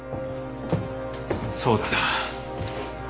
そうだな。